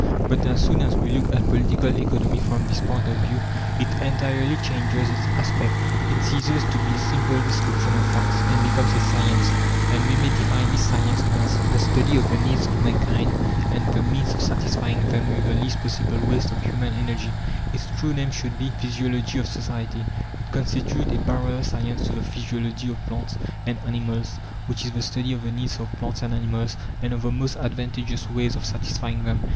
But as soon as we look at Political Economy from this point of view, it entirely changes its aspect. It ceases to be a simple description of facts, and becomes a science, and we may define this science as: "The study of the needs of mankind, and the means of satisfying them with the least possible waste of human energy". Its true name should be, Physiology of Society. It constitutes a parallel science to the physiology of plants and animals, which is the study of the needs of plants and animals, and of the most advantageous ways of satisfying them.